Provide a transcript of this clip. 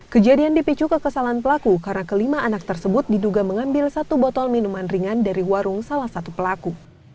kejadian dipicu kekesalan pelaku karena kelima anak tersebut diduga mengambil satu botol minuman ringan dari warung salah satu pelaku